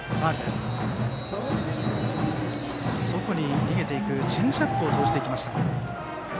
外に逃げていくチェンジアップを投じていきました。